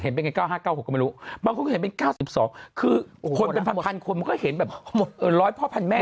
เป็นไง๙๕๙๖ก็ไม่รู้บางคนก็เห็นเป็น๙๒คือคนเป็นพันคนมันก็เห็นแบบ๑๐๐พ่อพันแม่